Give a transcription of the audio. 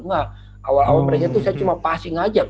nah awal awal mereka itu saya cuma passing aja